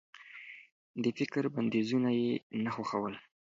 د فکر بنديزونه يې نه خوښول.